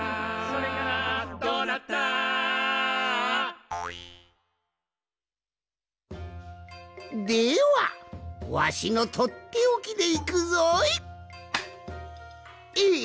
「どうなった？」ではわしのとっておきでいくぞい！え